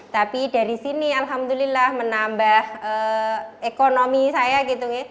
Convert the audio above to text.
tapi dari sini alhamdulillah menambah ekonomi saya gitu ya